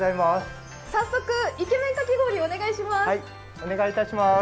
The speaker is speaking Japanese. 早速、イケメンかき氷お願いします。